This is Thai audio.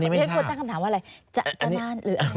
ที่ฉันควรตั้งคำถามว่าอะไรจะนานหรืออะไร